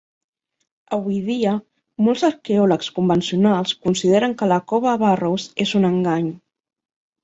Avui dia, molts arqueòlegs convencionals consideren que la cova Burrows és un engany.